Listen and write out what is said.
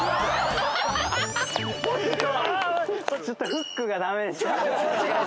ちょっとフックがダメでした。